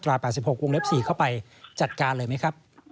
จะใช้กฎหมายในมาตรา๘๖วงเล็ก๔เข้าไปจัดการเลยไหมครับ